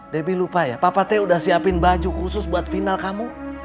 debbie lupa ya papa te udah siapin baju khusus buat final kamu